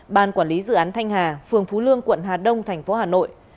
ban quản lý dự án thanh hà phường phú lương quận hà đông tp hà nội